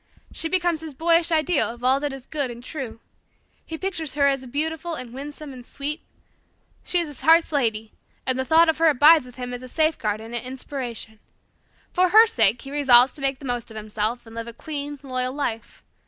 She becomes his boyish ideal of all that is good and true. He pictures her as beautiful and winsome and sweet. She is his heart's lady, and the thought of her abides with him as a safeguard and an inspiration. For her sake he resolves to make the most of himself, and live a clean, loyal life.